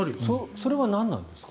それはなんなんですか？